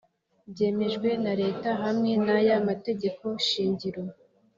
byemejwe na leta hamwe n’aya mategeko shingiro